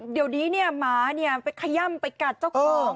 เดี๋ยวนี้เนี่ยหมาเนี่ยขย่ำไปกัดเจ้าของ